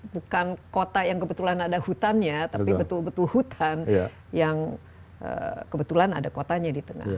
bukan kota yang kebetulan ada hutannya tapi betul betul hutan yang kebetulan ada kotanya di tengah